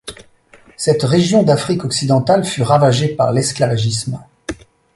Cette région d’Afrique occidentale fut ravagée par l’esclavagisme.